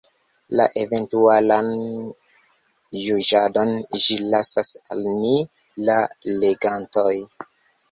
La eventualan juĝadon ĝi lasas al ni, la legantoj.